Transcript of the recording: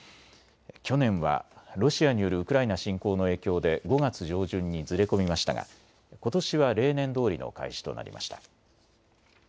去年はロシアによるウクライナ侵攻の影響で５月上旬にずれ込みましたがことしは例年どおりの開始となりました。